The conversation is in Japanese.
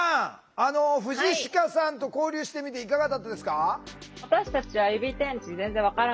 あの藤鹿さんと交流してみていかがだったですか？